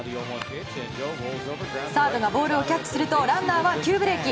サードがボールをキャッチするとランナーは急ブレーキ。